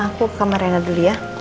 aku ke kamar rena dulu ya